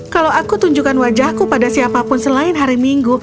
kalau aku tunjukkan wajahku pada siapapun selain hari minggu